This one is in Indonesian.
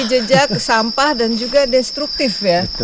lebih dari jejak sampah dan juga destruktif ya